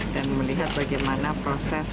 dan melihat bagaimana proses